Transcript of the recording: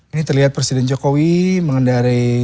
ini terlihat presiden jokowi mengendarai golf cartnya